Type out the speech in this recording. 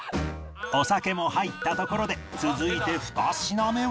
お酒も入ったところで続いて２品目は